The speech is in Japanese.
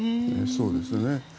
そうですね。